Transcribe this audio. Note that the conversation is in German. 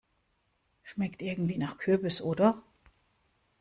Schmeckt irgendwie nach Kürbis, oder?